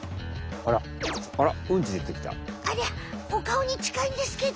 ありゃお顔にちかいんですけど！